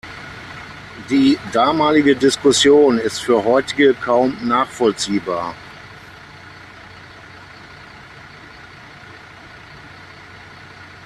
Die damalige Diskussion ist für Heutige kaum nachvollziehbar.